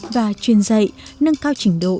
và truyền dạy nâng cao trình độ